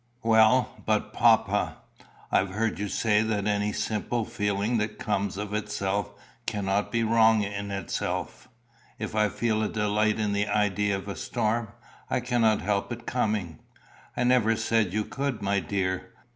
"Well, but, papa, I have heard you say that any simple feeling that comes of itself cannot be wrong in itself. If I feel a delight in the idea of a storm, I cannot help it coming." "I never said you could, my dear.